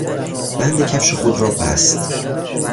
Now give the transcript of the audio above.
بند کفش خود را بست.